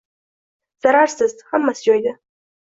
Zararsiz, hammasi joyida.